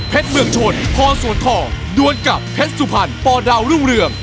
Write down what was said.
เมืองชนพอสวนทองดวนกับเพชรสุพรรณปอดาวรุ่งเรือง